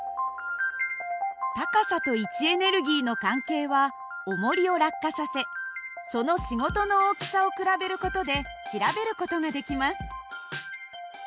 高さと位置エネルギーの関係はおもりを落下させその仕事の大きさを比べる事で調べる事ができます。